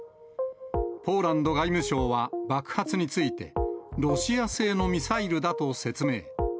ポーランド外務省は爆発について、ロシア製のミサイルだと説明。